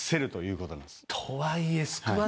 とはいえ。